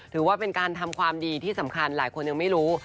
ถือว่าเป็นการทำความดีที่สำคัญหลายคนยังไม่รู้